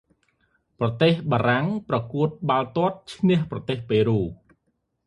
ប្រទេសបារាំងប្រកួតបាលទាត់ ឈ្នះប្រទេសប៉េរូ។